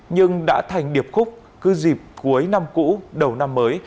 nhưng đã thành điệp khúc cứ dịp cuối năm cũ đầu năm mới